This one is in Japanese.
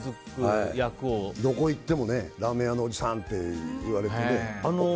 どこ行ってもラーメン屋のおじさんって言われてね。